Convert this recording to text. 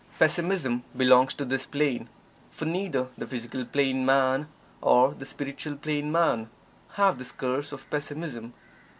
Pessimism belongs to this plane, for neither the Physical Plane man or the Spiritual Plane man have this curse of Pessimism.